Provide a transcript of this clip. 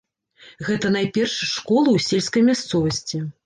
Гэта найперш школы ў сельскай мясцовасці.